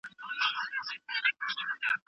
نوي ليکوالان به تر پخوانيو ښه اثار پرېږدي.